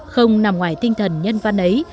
không nằm ngoài tinh thần nhân văn ấy